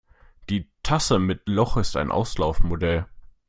Die Tasse mit Loch ist ein Auslaufmodell.